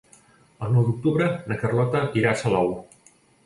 El nou d'octubre na Carlota irà a Salou.